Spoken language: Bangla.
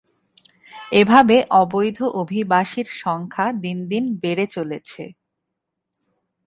এভাবে অবৈধ অভিবাসীর সংখ্যা দিন দিন বেড়ে চলেছে।